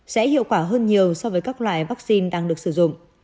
sẽ hiệu quả hơn nhiều so với các loại vaccine đang được sử dụng